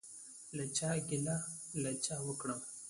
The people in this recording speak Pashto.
له چا ګیله له چا وکړم؟